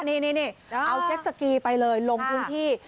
นี่เอาเจ็ดสกีไปเลยลงพื้นที่